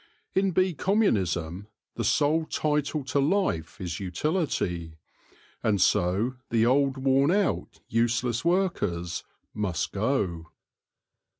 In bee communism the sole title to life is utility, and so the old worn out, useless workers must go.